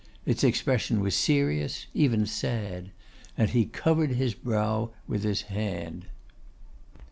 Its expression was serious, even sad; and he covered his brow with his hand.